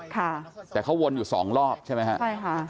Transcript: แต่เขาวนอยู่๒รอบใช่ไหมครับ